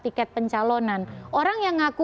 tiket pencalonan orang yang ngaku